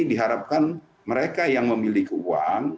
diharapkan mereka yang memiliki uang